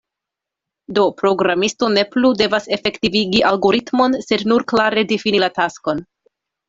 Do, programisto ne plu devas efektivigi algoritmon, sed nur klare difini la taskon.